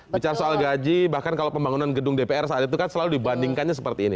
bicara soal gaji bahkan kalau pembangunan gedung dpr saat itu kan selalu dibandingkannya seperti ini